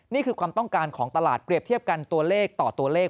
นี่คือความต้องการของตลาดเปรียบเทียบกันตัวเลขต่อตัวเลข